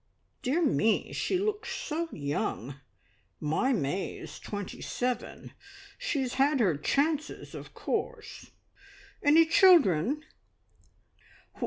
"Dear me! She looks so young! My May is twenty seven. She has had her chances, of course. Any children?"